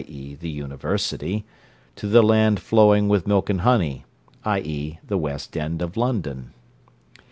e. the university to the land flowing with milk and honey i.e. the west end of London.